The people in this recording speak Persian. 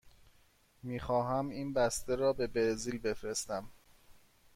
می خواهم این بسته را به برزیل بفرستم.